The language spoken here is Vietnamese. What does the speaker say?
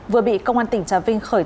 vừa bị công an tỉnh trả việc